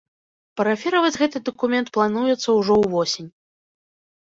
Парафіраваць гэты дакумент плануецца ўжо ўвосень.